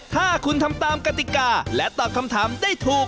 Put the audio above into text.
ถ้าคุณทำตามกติกาและตอบคำถามได้ถูก